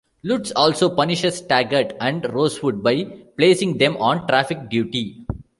Lutz also punishes Taggart and Rosewood by placing them on traffic duty.